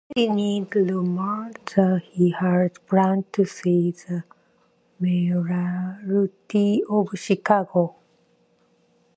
Daley denied rumors that he had plans to seek the mayoralty of Chicago.